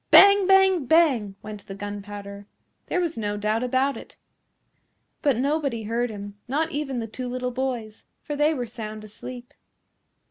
Bang! Bang! Bang! went the gunpowder. There was no doubt about it. But nobody heard him, not even the two little boys, for they were sound asleep.